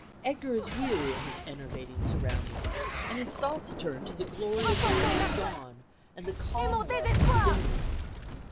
Edgar is weary of his enervating surroundings, and his thoughts turn to the glory of the April dawn and the calm love of Fidelia.